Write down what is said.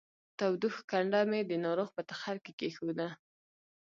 تودوښ کنډه مې د ناروغ په تخرګ کې کېښوده